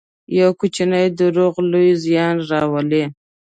یو کوچنی دروغ لوی زیان راولي.